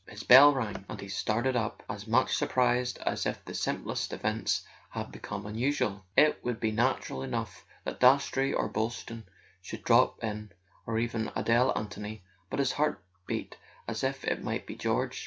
His bell rang, and he started up, as much surprised as if the simplest events had become unusual. It would be natural enough that Dastrey or Boylston should drop in—or even Adele Anthony—but his heart beat as if it might be George.